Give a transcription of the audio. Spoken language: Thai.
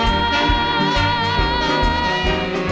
โปรดติดตามต่อไป